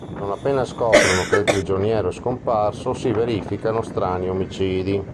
Non appena scoprono che il prigioniero è scomparso, si verificano strani omicidi.